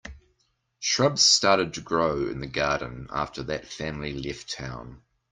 Shrubs started to grow in the garden after that family left town.